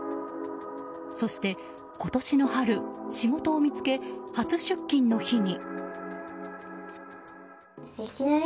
そして今年の春仕事を見つけ、初出勤の日に。